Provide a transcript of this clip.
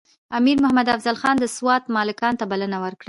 امیر محمد افضل خان د سوات ملکانو ته بلنه ورکړه.